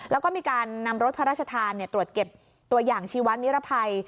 แล้วก็มีการนำรถพระราชทานตรวจเก็บตัวอย่างชีวนิรภัย